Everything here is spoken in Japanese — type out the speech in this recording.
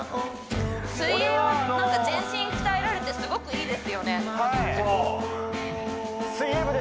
水泳はなんか全身鍛えられてすごくいいですよね